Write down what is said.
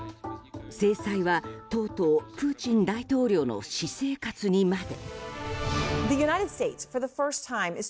制裁はとうとうプーチン大統領の私生活にまで。